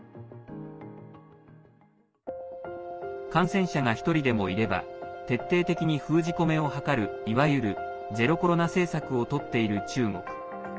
感染者が１人でもいれば徹底的に封じ込めを図るいわゆるゼロコロナ政策をとっている中国。